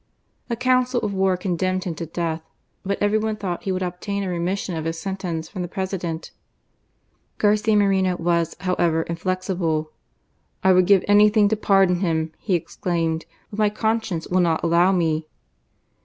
A council of war condemned him to death, but every one thought that he would obtain a remis j sion of his sentence from the President. Garcia '1 Moreno was, however, inflexible. '■ I would give ' anything to pardon him !" he exclaimed, " but ray i conscience will not allow me."